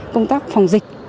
công tác phòng dịch